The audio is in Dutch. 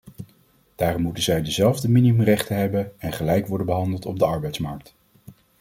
Daarom moeten zij dezelfde minimumrechten hebben en gelijk worden behandeld op de arbeidsmarkt.